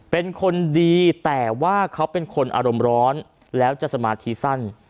เป็นคนดีแต่ว่าเขาเป็นคนอารมณ์ร้อนแล้วจะสมาธิสั้น